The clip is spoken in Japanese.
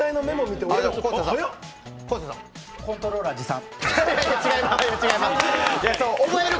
コントローラー持参。